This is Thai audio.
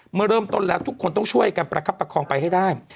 เมื่อเริ่มต้นแล้วทุกคนต้องช่วยกันประคับประคองไปให้ได้